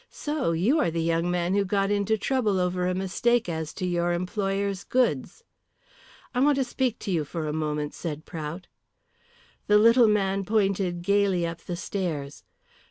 "So, you are the young man who got into trouble over a mistake as to your employer's goods." "I want to speak to you for a moment," said Prout. The little man pointed gaily up the stairs.